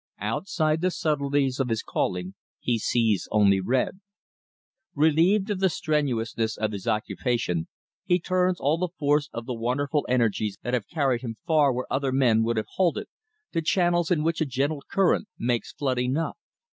Outside the subtleties of his calling, he sees only red. Relieved of the strenuousness of his occupation, he turns all the force of the wonderful energies that have carried him far where other men would have halted, to channels in which a gentle current makes flood enough.